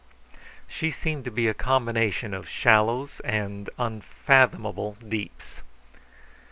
She seemed to be a combination of shallows and unfathomable deeps.